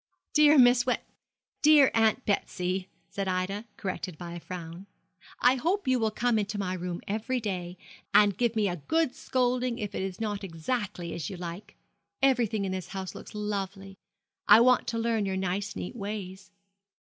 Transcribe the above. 'Dear Miss Wen , dear Aunt Betsy,' said Ida, corrected by a frown, 'I hope you will come into my room every day, and give me a good scolding if it is not exactly as you like. Everything in this house looks lovely. I want to learn your nice neat ways.'